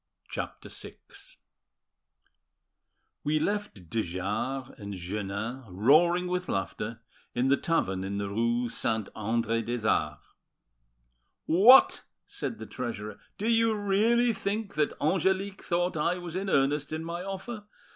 CHAPTER VI We left de Jars and Jeannin, roaring with laughter, in the tavern in the rue Saint Andre des Arts. "What!" said the treasurer, "do you really think that Angelique thought I was in earnest in my offer?